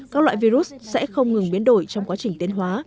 các loại virus sẽ không ngừng biến đổi trong quá trình tiến hóa